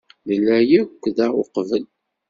Nella akk da uqbel.